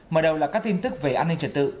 mở đầu là các tin tức về an ninh trật tự